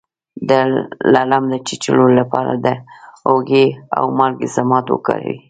د لړم د چیچلو لپاره د هوږې او مالګې ضماد وکاروئ